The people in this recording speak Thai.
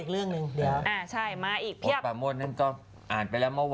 เรื่องนี้มาแป๊บนึงแล้วนะจริงมาพร้อมแล้ว